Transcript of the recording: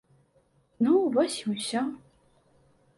Ну вось і ўсё.